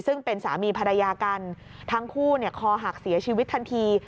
ซึ่งเป็นสามีภรรยากันทั้งคู่เนี่ยคอหักเสียชีวิตทันที